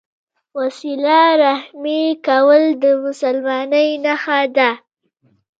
وسیله رحمي کول د مسلمانۍ نښه ده.